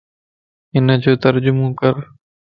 ھن جو ترجمو ڪر